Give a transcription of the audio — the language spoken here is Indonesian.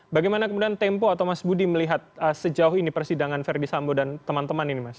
bagaimana kemudian tempo atau mas budi melihat sejauh ini persidangan verdi sambo dan teman teman ini mas